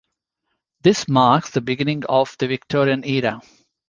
This marks the beginning of the Victorian era.